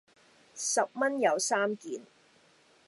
十蚊有三件